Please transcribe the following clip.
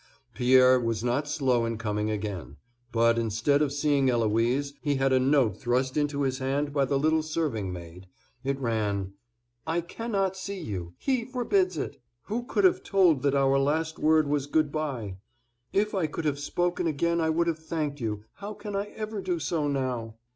Pierre was not slow in coming again; but, instead of seeing Eloise, he had a note thrust into his hand by the little serving maid. It ran: "I cannot see you. He forbids it. Who could have told that our last word was 'good by.' If I could have spoken again I would have thanked you. How can I ever do so now?